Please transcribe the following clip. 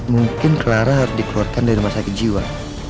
mungkin clara harus dikeluarkan dari rumah sakit jiwa